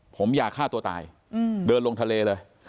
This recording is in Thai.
ผมอยากฆ่าตัวตายเดินลงทะเลเลย